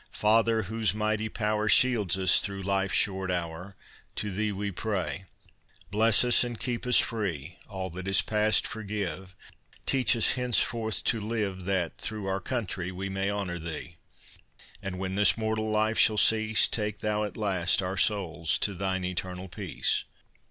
Father, whose mighty power Shields us through life's short hour, To Thee we pray, Bless us and keep us free: All that is past forgive; Teach us, henceforth, to live, That, through our country, we may honor Thee; And, when this mortal life shall cease, Take Thou, at last, our souls to Thine eternal peace.